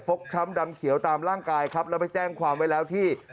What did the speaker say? ช้ำดำเขียวตามร่างกายครับแล้วไปแจ้งความไว้แล้วที่